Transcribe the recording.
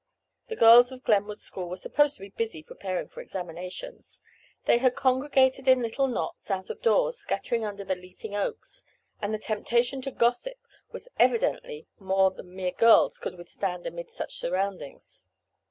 The girls of Glenwood school were supposed to be busy preparing for examinations. They had congregated in little knots, out of doors, scattering under the leafing oaks, and the temptation to gossip was evidently more than mere girls could withstand amid such surroundings.